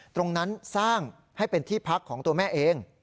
ตรงนั้นสร้างให้เป็นที่พักของตัวแม่เอง